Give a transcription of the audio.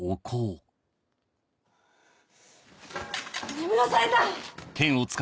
眠らされた！